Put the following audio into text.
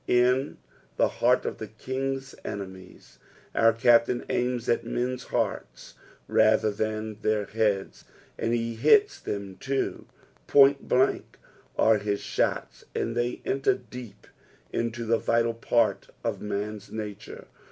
*'/a the heart of the KingU aiemiei,^' Our Captain aims at men's hearts rather than their heads, and he hits them too ; point blank are his shots, and they enter deep into the vital part of man's nature.